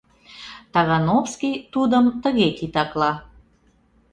Тагановский тудым тыге титакла.